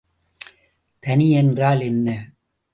தனி என்றால் என்ன?